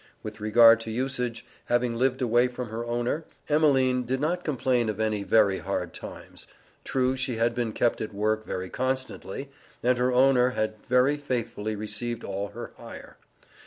With regard to usage, having lived away from her owner, Emeline did not complain of any very hard times. True, she had been kept at work very constantly, and her owner had very faithfully received all her hire.